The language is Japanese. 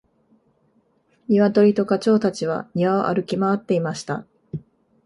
ニワトリとガチョウたちは庭を歩き回っていました。